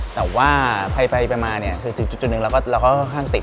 แต่ว่าไปมาเนี่ยคือถึงจุดหนึ่งเราก็ค่อนข้างติด